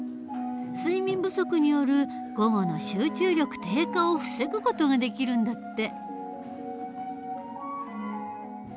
睡眠不足による午後の集中力低下を防ぐ事ができるんだって。